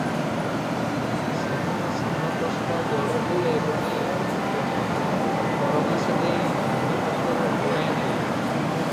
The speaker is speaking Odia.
ସେଦିନ ସାନ କସ୍ତା ଯୋଡ଼ଟିଏ ଜଣେ ଫରମାସ ଦେଇ ଭଗି ପାଖରୁ ବୁଣାଇ ନେଲା ।